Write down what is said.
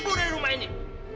iya ibu lakukan semua perintah ini